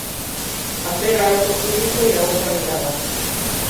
Apela a otro público y a otra mirada.